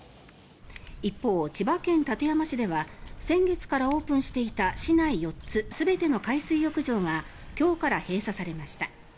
一方、千葉県館山市では先月からオープンしていた市内４つ、全ての海水浴場が今日から閉鎖されました。